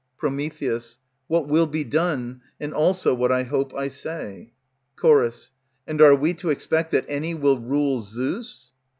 _ What will be done, and also what I hope, I say. Ch. And are we to expect that any will rule Zeus?